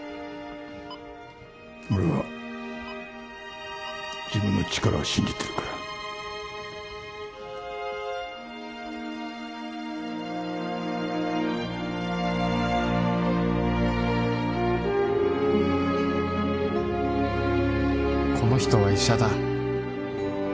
俺は自分の力を信じてるからこの人は医者だ